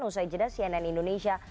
nuswa ijadah cnn indonesia